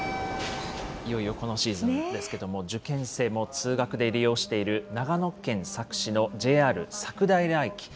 いよいよこのシーズンですけれども、受験生も通学で利用している長野県佐久市のＪＲ佐久平駅。